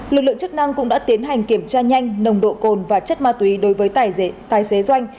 lực lượng chức năng cũng đã tiến hành kiểm tra nhanh nồng độ cồn và chất ma túy đối với tài xế doanh